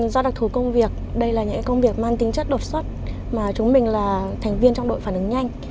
do đặc thù công việc đây là những công việc mang tính chất đột xuất mà chúng mình là thành viên trong đội phản ứng nhanh